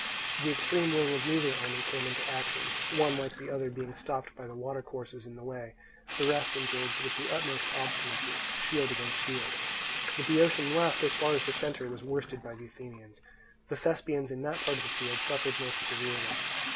The extreme wing of neither army came into action, one like the other being stopped by the water courses in the way; the rest engaged with the utmost obstinacy, shield against shield. The Boeotian left, as far as the centre, was worsted by the Athenians. The Thespians in that part of the field suffered most severely.